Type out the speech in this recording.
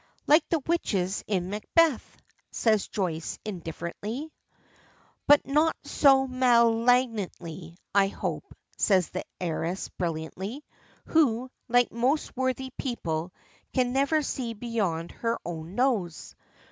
"Like the witches in Macbeth," says Joyce, indifferently. "But not so malignantly, I hope," says the heiress brilliantly, who, like most worthy people, can never see beyond her own nose.